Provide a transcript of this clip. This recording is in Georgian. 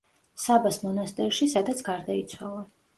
საბას მონასტერში, სადაც გარდაიცვალა.